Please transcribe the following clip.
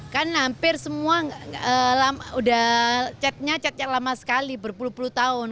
kan hampir semua udah catnya cat cat lama sekali berpuluh puluh tahun